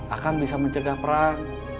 akan bisa mencegah perang